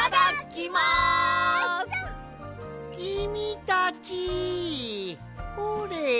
きみたちほれ！